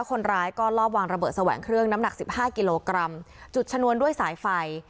คนร้ายก็ลอบวางระเบิดแสวงเครื่องน้ำหนักสิบห้ากิโลกรัมจุดชนวนด้วยสายไฟ